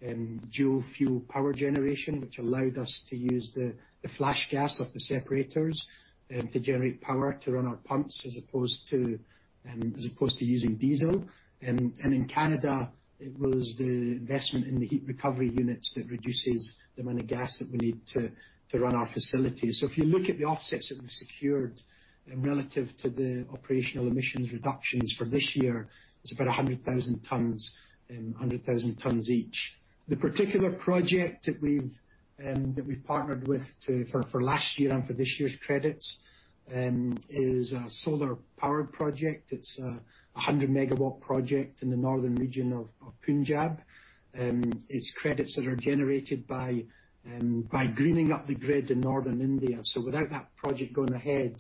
Speaker 1: in dual-fuel power generation, which allowed us to use the flash gas of the separators to generate power to run our pumps, as opposed to using diesel. In Canada, it was the investment in the heat recovery units that reduces the amount of gas that we need to run our facilities. If you look at the offsets that we've secured relative to the operational emissions reductions for this year, it's about 100,000 tons each. The particular project that we've partnered with for last year and for this year's credits is a solar power project. It's a 100-megawatt project in the northern region of Punjab. It's credits that are generated by greening up the grid in northern India. Without that project going ahead,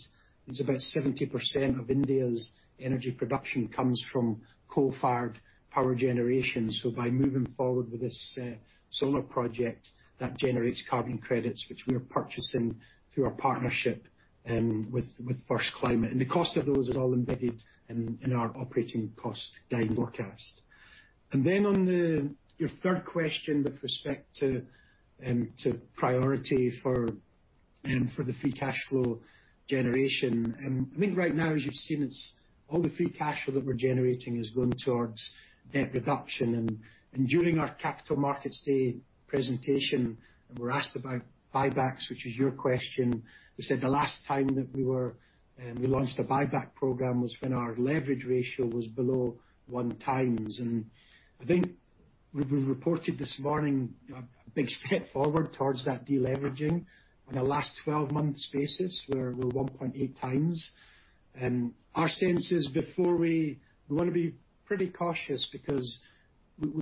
Speaker 1: it's about 70% of India's energy production comes from coal-fired power generation. By moving forward with this solar project, that generates carbon credits, which we are purchasing through our partnership with First Climate. The cost of those is all embedded in our operating cost guide forecast. On your third question with respect to priority for the free cash flow generation. I think right now, as you've seen, all the free cash flow that we're generating is going towards debt reduction. During our Capital Markets Day presentation, we were asked about buybacks, which is your question. We said the last time that we launched a buyback program was when our leverage ratio was below 1x. I think we reported this morning a big step forward towards that deleveraging. On a last 12-month basis, we're 1.8x. Our sense is we want to be pretty cautious because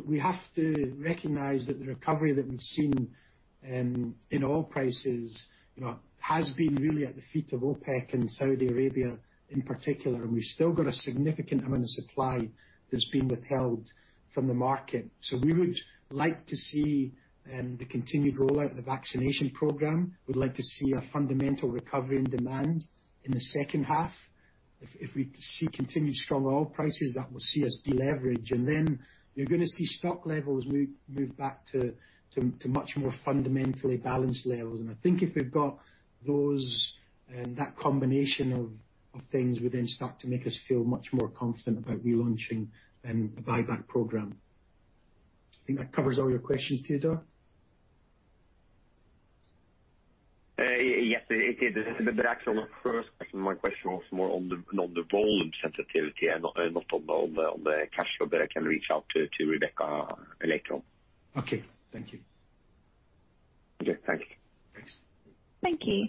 Speaker 1: we have to recognize that the recovery that we've seen in oil prices has been really at the feet of OPEC and Saudi Arabia in particular. We've still got a significant amount of supply that's been withheld from the market. We would like to see the continued rollout of the vaccination program. We'd like to see a fundamental recovery in demand in the second half. If we see continued strong oil prices, that will see us deleverage. You're going to see stock levels move back to much more fundamentally balanced levels. I think if we've got that combination of things would then start to make us feel much more confident about relaunching a buyback program. I think that covers all your questions, Teodor.
Speaker 4: Yes. That actually my first question. My question was more on the volume sensitivity and not on the cash flow, but I can reach out to Rebecca later on.
Speaker 1: Okay, thank you.
Speaker 4: Okay, thank you.
Speaker 1: Thanks.
Speaker 3: Thank you.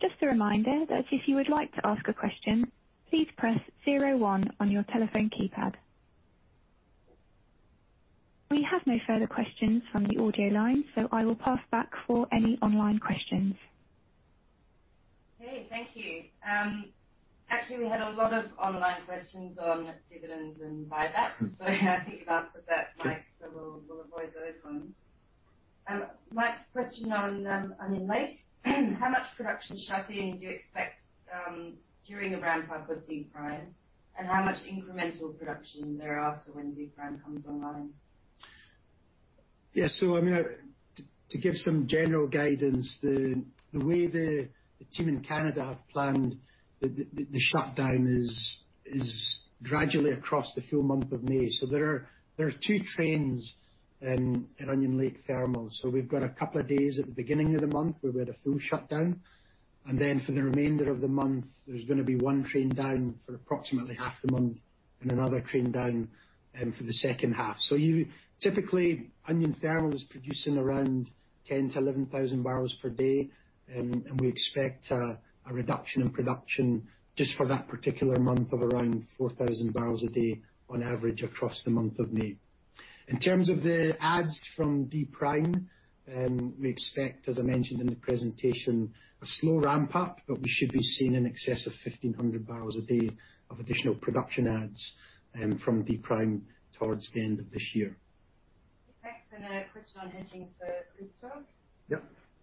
Speaker 3: Just a reminder that if you would like to ask a question, please press zero one on your telephone keypad. We have no further questions from the audio line, so I will pass back for any online questions.
Speaker 5: Okay, thank you. Actually, we had a lot of online questions on dividends and buybacks. I think you've answered that, Mike, so we'll avoid those ones. Mike, question on Onion Lake. How much production shutt-in do you expect during the ramp up of Pad D'? How much incremental production thereafter when Pad D' comes online?
Speaker 1: To give some general guidance, the way the team in Canada have planned the shutdown is gradually across the full month of May. There are two trains in Onion Lake Thermal. We've got a couple of days at the beginning of the month where we had a full shutdown, then for the remainder of the month, there's going to be one train down for approximately half the month, another train down for the second half. Typically, Onion Thermal is producing around 10,000-11,000 barrels per day, we expect a reduction in production just for that particular month of around 4,000 barrels a day on average across the month of May. In terms of the adds from Pad D', we expect, as I mentioned in the presentation, a slow ramp up, but we should be seeing in excess of 1,500 barrels a day of additional production adds from Pad D' towards the end of this year.
Speaker 5: Thanks. A question on hedging for Christophe.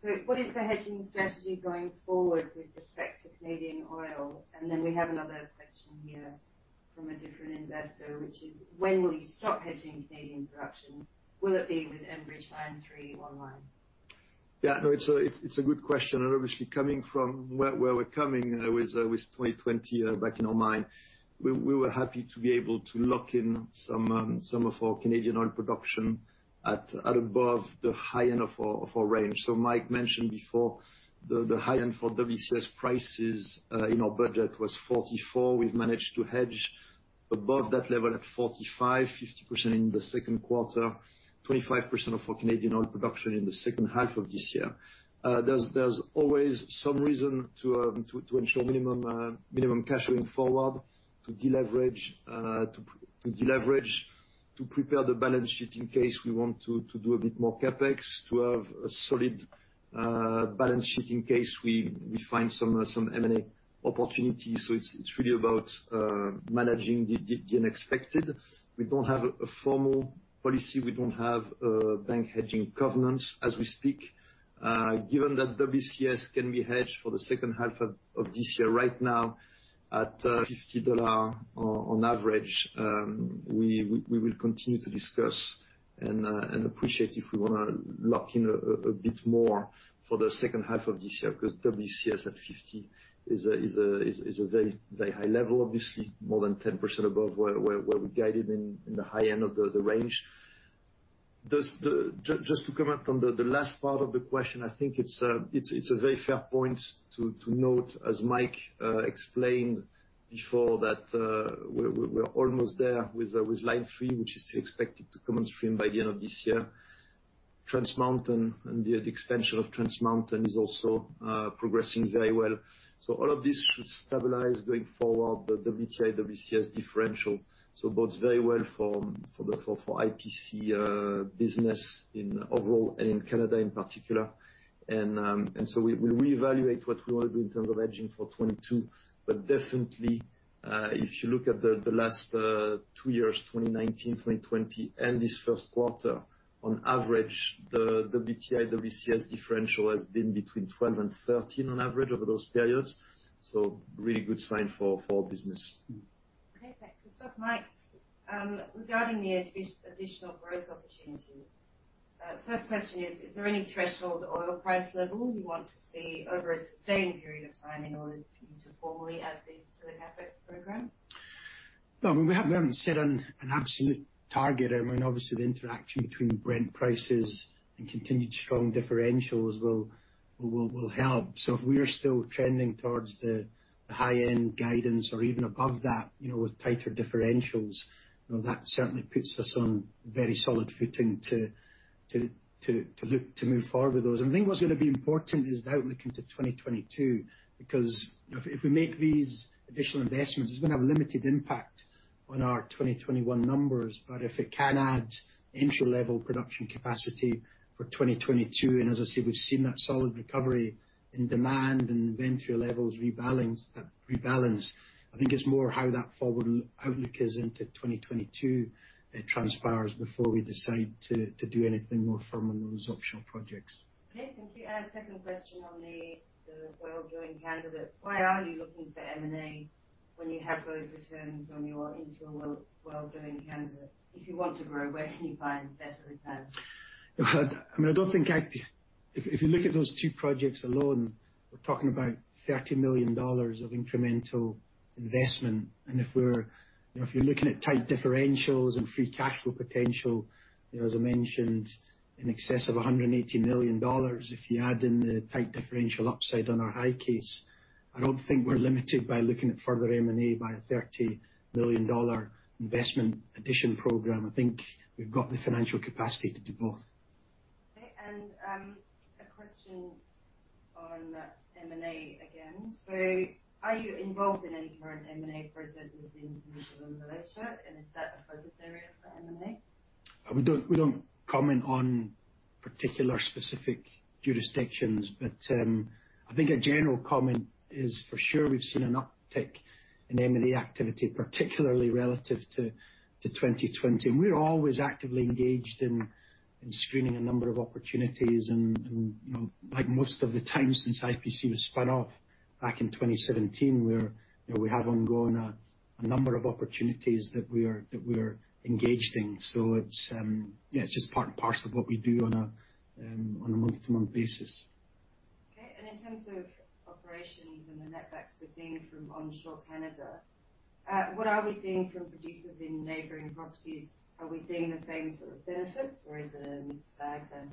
Speaker 2: Yep.
Speaker 5: What is the hedging strategy going forward with respect to Canadian oil? We have another question here from a different investor, which is, when will you stop hedging Canadian production? Will it be with Enbridge Line 3 online?
Speaker 2: Yeah, no, it's a good question. Obviously coming from where we're coming with 2020 back in our mind, we were happy to be able to lock in some of our Canadian oil production at above the high end of our range. Mike mentioned before the high end for WCS prices, in our budget was 44. We've managed to hedge above that level at 45, 50% in the second quarter, 25% of our Canadian oil production in the second half of this year. There's always some reason to ensure minimum cash going forward to deleverage, to prepare the balance sheet in case we want to do a bit more CapEx, to have a solid balance sheet in case we find some M&A opportunities. It's really about managing the unexpected. We don't have a formal policy. We don't have bank hedging covenants as we speak. Given that WCS can be hedged for the second half of this year right now at $50 on average, we will continue to discuss and appreciate if we want to lock in a bit more for the second half of this year, because WCS at $50 is a very high level, obviously more than 10% above where we guided in the high end of the range. Just to comment on the last part of the question, I think it's a very fair point to note, as Mike explained before, that we're almost there with Line 3, which is expected to come on stream by the end of this year. Trans Mountain and the extension of Trans Mountain is also progressing very well. All of this should stabilize going forward, the WTI, WCS differential. Bodes very well for IPC business overall and in Canada in particular. We'll reevaluate what we want to do in terms of hedging for 2022. Definitely, if you look at the last two years, 2019, 2020, and this first quarter, on average, the WTI, WCS differential has been between 12 and 13 on average over those periods. Really good sign for our business.
Speaker 5: Okay, thanks, Christophe. Mike, regarding the additional growth opportunities, first question is there any threshold oil price level you want to see over a sustained period of time in order for you to formally add these to the CapEx program?
Speaker 1: No, we haven't set an absolute target. Obviously, the interaction between Brent prices and continued strong differentials will help. If we are still trending towards the high-end guidance or even above that with tighter differentials, that certainly puts us on very solid footing to look to move forward with those. I think what's going to be important is the outlook into 2022. Because if we make these additional investments, it's going to have a limited impact on our 2021 numbers. If it can add entry level production capacity for 2022, and as I said, we've seen that solid recovery in demand and inventory levels rebalance. I think it's more how that forward outlook is into 2022 transpires before we decide to do anything more firm on those optional projects.
Speaker 5: Okay, thank you. Second question on the well drilling candidates. Why are you looking for M&A when you have those returns on your internal well drilling candidates? If you want to grow, where can you find better returns?
Speaker 1: If you look at those two projects alone. We're talking about $30 million of incremental investment. If you're looking at tight differentials and free cash flow potential, as I mentioned, in excess of $180 million, if you add in the tight differential upside on our high case, I don't think we're limited by looking at further M&A by a $30 million investment addition program. I think we've got the financial capacity to do both.
Speaker 5: Okay. A question on M&A again. Are you involved in any current M&A processes in Malaysia and is that a focus area for M&A?
Speaker 1: We don't comment on particular specific jurisdictions. I think a general comment is for sure we've seen an uptick in M&A activity, particularly relative to 2020. We're always actively engaged in screening a number of opportunities and, like most of the time since IPC was spun off back in 2017, we have ongoing, a number of opportunities that we are engaged in. It's just part and parcel of what we do on a month-to-month basis.
Speaker 5: Okay. In terms of operations and the netbacks we're seeing from onshore Canada, what are we seeing from producers in neighboring properties? Are we seeing the same sort of benefits or is it a mixed bag then?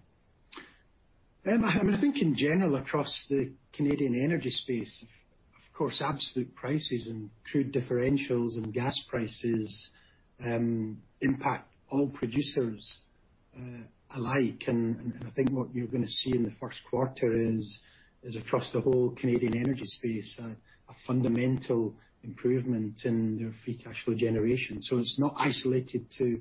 Speaker 1: I think in general across the Canadian energy space, of course, absolute prices and crude differentials and gas prices impact all producers alike. I think what you're going to see in the first quarter is across the whole Canadian energy space, a fundamental improvement in their free cash flow generation. It's not isolated to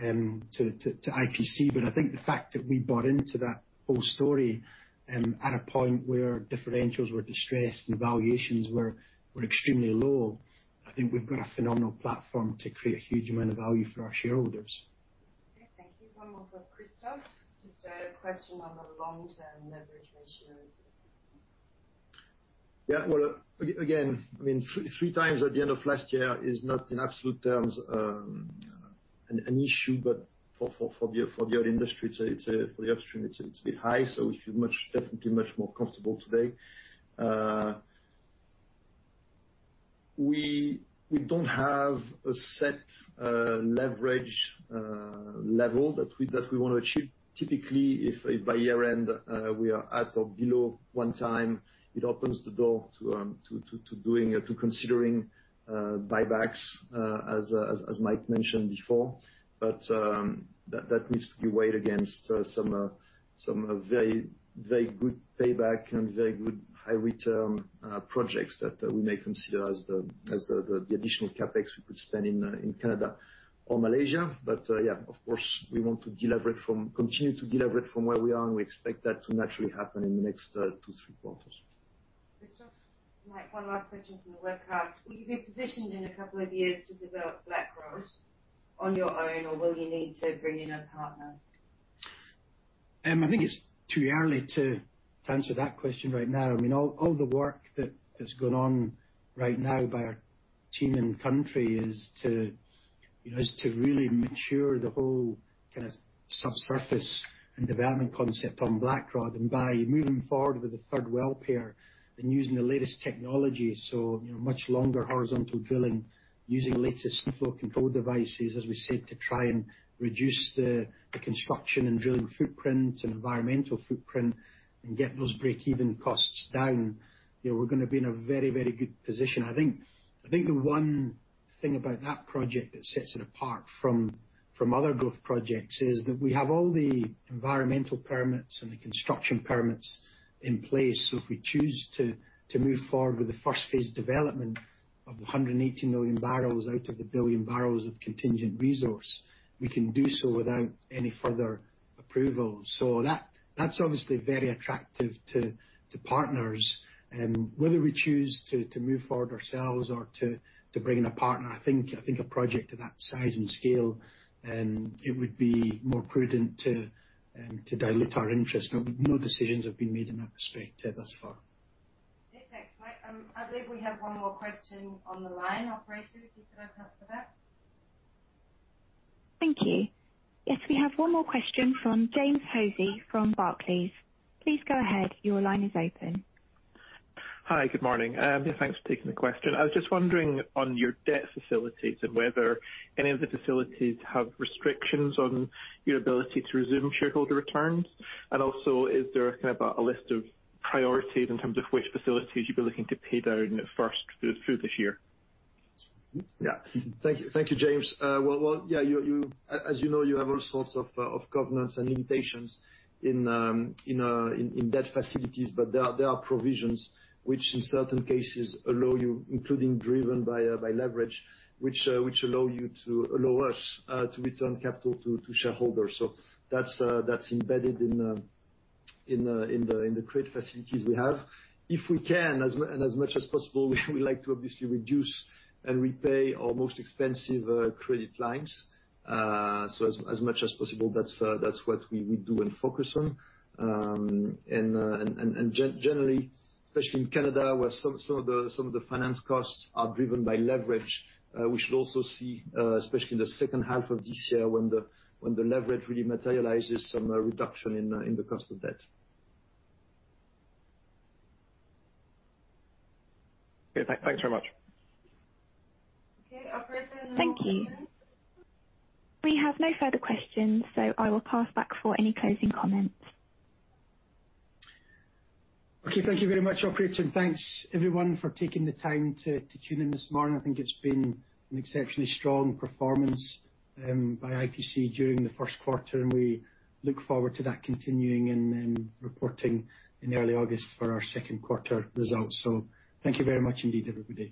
Speaker 1: IPC, but I think the fact that we bought into that whole story, at a point where differentials were distressed and valuations were extremely low, I think we've got a phenomenal platform to create a huge amount of value for our shareholders.
Speaker 5: Okay, thank you. One more for Christophe. Just a question on the long-term leverage ratio.
Speaker 2: Well, again, 3x at the end of last year is not in absolute terms an issue, but for the oil industry, for the upstream, it's a bit high. We feel definitely much more comfortable today. We don't have a set leverage level that we want to achieve. Typically, if by year-end we are at or below 1x, it opens the door to considering buybacks, as Mike mentioned before. That needs to be weighed against some very good payback and very good high return projects that we may consider as the additional CapEx we could spend in Canada or Malaysia. Of course, we want to continue to deleverage from where we are, and we expect that to naturally happen in the next two, three quarters.
Speaker 5: Christophe. Mike, one last question from the webcast. Will you be positioned in a couple of years to develop Blackrod on your own or will you need to bring in a partner?
Speaker 1: I think it's too early to answer that question right now. All the work that has gone on right now by our team in country is to really mature the whole kind of subsurface and development concept on Blackrod, by moving forward with the 3rd well pair and using the latest technology. Much longer horizontal drilling, using latest flow control devices, as we said, to try and reduce the construction and drilling footprint and environmental footprint and get those breakeven costs down. We're going to be in a very good position. I think the one thing about that project that sets it apart from other growth projects is that we have all the environmental permits and the construction permits in place. If we choose to move forward with the first phase development of the 180 million barrels out of the billion barrels of contingent resource, we can do so without any further approval. That's obviously very attractive to partners. Whether we choose to move forward ourselves or to bring in a partner, I think a project of that size and scale, it would be more prudent to dilute our interest. No decisions have been made in that respect thus far.
Speaker 5: Yes. Thanks, Mike. I believe we have one more question on the line. Operator, could you set up for that?
Speaker 3: Thank you. Yes, we have one more question from James Hosie from Barclays. Please go ahead. Your line is open.
Speaker 6: Hi. Good morning. Thanks for taking the question. I was just wondering on your debt facilities and whether any of the facilities have restrictions on your ability to resume shareholder returns. Is there a list of priorities in terms of which facilities you'd be looking to pay down first through this year?
Speaker 2: Yeah. Thank you, James. Well, yeah, as you know, you have all sorts of governance and limitations in debt facilities. There are provisions which in certain cases allow you, including driven by leverage, which allow us to return capital to shareholders. That's embedded in the credit facilities we have. If we can, and as much as possible, we like to obviously reduce and repay our most expensive credit lines. As much as possible, that's what we would do and focus on. Generally, especially in Canada, where some of the finance costs are driven by leverage, we should also see, especially in the second half of this year when the leverage really materializes, some reduction in the cost of debt.
Speaker 6: Okay. Thanks very much.
Speaker 5: Okay. Operator, no more hands?
Speaker 3: Thank you. We have no further questions. I will pass back for any closing comments.
Speaker 1: Okay. Thank you very much, operator. Thanks, everyone, for taking the time to tune in this morning. I think it's been an exceptionally strong performance by IPC during the first quarter, and we look forward to that continuing and then reporting in early August for our second quarter results. Thank you very much indeed, everybody.